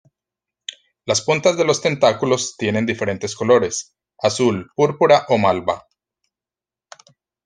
Las puntas de los tentáculos tienen diferentes colores: azul, púrpura o malva.